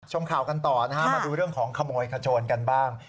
ข่าวกันต่อนะฮะมาดูเรื่องของขโมยขโจรกันบ้าง